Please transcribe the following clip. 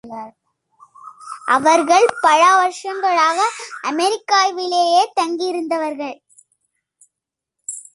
அவர்கள் பல வருஷங்களாக அமெரிக்காவிலேயே தங்கியிருந்தவர்கள்.